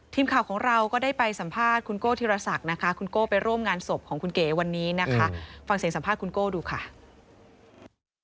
ทีมข่าวของเราก็ได้ไปสัมภาษณ์คุณโก้ธิรัสนกนะคะคุณโกไปร่วมงานสภของคุณเก๋วันนี้นะคะ